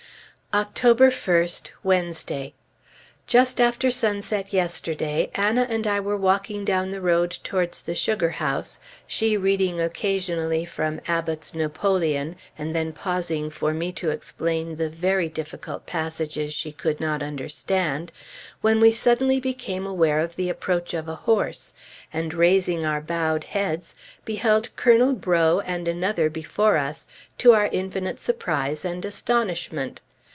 October 1st, Wednesday. Just after sunset yesterday, Anna and I were walking down the road towards the sugar house, she reading occasionally from Abbott's "Napoleon," and then pausing for me to explain the very difficult passages she could not understand, when we suddenly became aware of the approach of a horse, and raising our bowed heads, beheld Colonel Breaux and another before us, to our infinite surprise and astonishment.